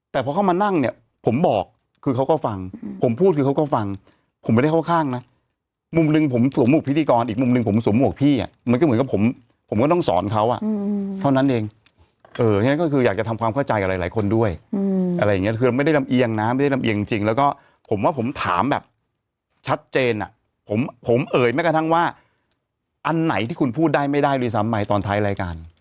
แต่พอเข้ามานั่งเนี่ยผมบอกคือเขาก็ฟังผมพูดคือเขาก็ฟังผมไม่ได้เข้าข้างนะมุมหนึ่งผมสวมหกพิธีกรอีกมุมหนึ่งผมสวมหกพี่อะมันก็เหมือนกับผมผมก็ต้องสอนเขาอะเท่านั้นเองเอออย่างนั้นก็คืออยากจะทำความเข้าใจกับหลายคนด้วยอะไรอย่างเงี้ยคือไม่ได้ลำเอียงนะไม่ได้ลำเอียงจริงแล้วก็ผมว่าผมถามแบบชัดเจนอะผมเอ่